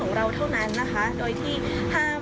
ของเราเท่านั้นนะคะโดยที่ห้ามทำโฆษณาเกินจริง